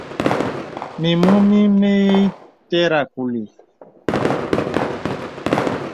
Mimù mì məìtæràŋ a kùli.